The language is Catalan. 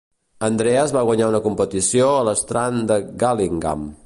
Andreas va guanyar una competició a l'Strand de Gillingham.